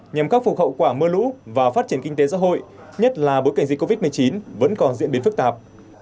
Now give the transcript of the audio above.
nhằm khắc phục hậu quả mưa lũ và phát triển kinh tế xã hội nhất là bối cảnh dịch covid một mươi chín vẫn còn diễn biến phức tạp